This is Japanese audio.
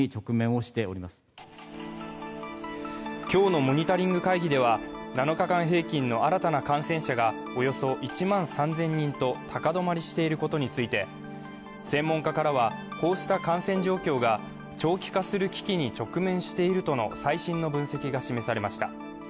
今日のモニタリング会議では、７日間平均の新たな感染者がおよそ１万３０００人と高止まりしていることについて専門家からは、こうした感染状況が長期化する危機に直面しているとの最新の分析が示されました。